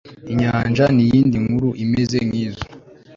inyanja niyindi nkuru imeze nkizo